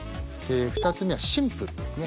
２つ目はシンプルですね。